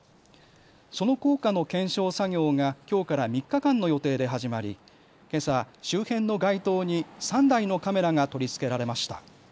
その効果の検証作業がきょうから３日間の予定で始まりけさ、周辺の街灯に３台のカメラが取り付けられました。